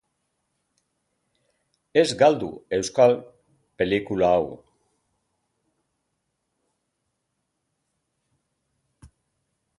Ez galdu euskal pelikula hau!